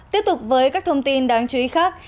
tiếp tục với các thông tin đáng chú ý khác